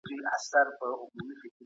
د سندرو له لارې وېګس اعصاب فعالېږي.